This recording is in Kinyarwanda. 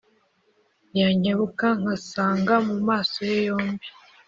.Yankebuka ngasanga Mu maso ye yombi